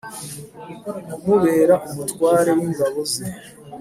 kumubera umutware w’ingabo ze